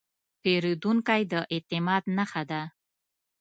پیرودونکی د اعتماد نښه ده.